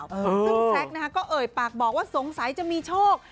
ซึ่งแซคก็เอ่ยปากบอกว่าสงสัยจะมีโชค